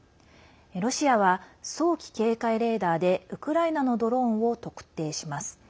ロシアは、早期警戒レーダーでウクライナのドローンを特定します。